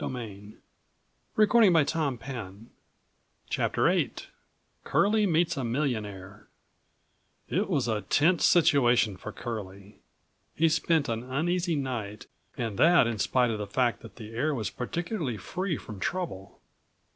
Something may come to the top yet." 84 CHAPTER VIIICURLIE MEETS A MILLIONAIRE It was a tense situation for Curlie. He spent an uneasy night and that in spite of the fact that the air was particularly free from trouble.